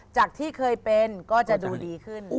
จากที่เคยเป็นก็จะดูดีขึ้น